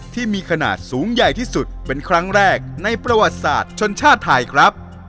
ที่มีขนาดสูงใหญ่ที่สุดเป็นครั้งแรกในประวัติศาสตร์ชนชาติไทยครับ